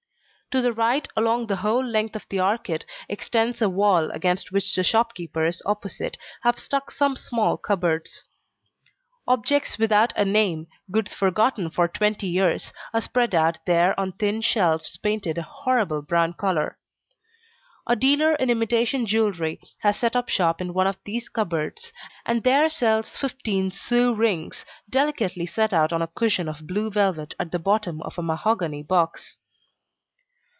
To the right, along the whole length of the arcade, extends a wall against which the shopkeepers opposite have stuck some small cupboards. Objects without a name, goods forgotten for twenty years, are spread out there on thin shelves painted a horrible brown colour. A dealer in imitation jewelry has set up shop in one of these cupboards, and there sells fifteen sous rings, delicately set out on a cushion of blue velvet at the bottom of a mahogany box.